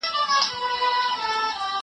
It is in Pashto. زه اوس کتابونه لولم!.